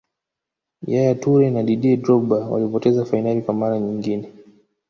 yaya toure na didier drogba walipoteza fainali kwa mara nyingine